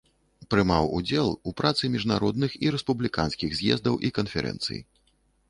Прымаў удзел у працы міжнародных і рэспубліканскіх з'ездаў і канферэнцый.